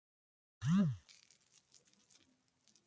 En Radio como tertuliano el Cope Lleida.